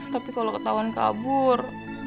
tapi kalau ketahuan kabur